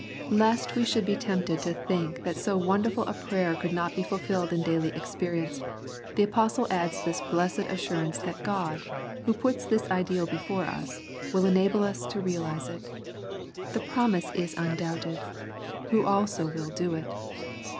Lest we should be tempted to think that so wonderful a prayer could not be fulfilled in daily experience, the Apostle adds this blessed assurance that God, Who puts this ideal before us, will enable us to realise it. The promise is undoubted —" Who also will do it."